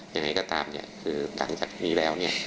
ยังไงก็ตามกลางจากทีนี้แล้ว